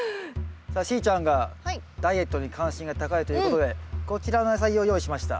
さあしーちゃんがダイエットに関心が高いということでこちらの野菜を用意しました。